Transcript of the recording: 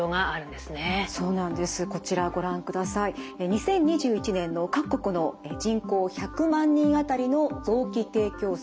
２０２１年の各国の人口１００万人あたりの臓器提供数です。